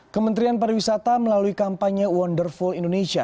kementerian pariwisata melalui kampanye wonderful indonesia